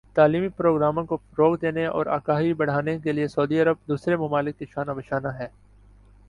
تعلیمی پروگراموں کو فروغ دینے اور آگاہی بڑھانے کے لئے سعودی عرب دوسرے ممالک کے شانہ بشانہ ہے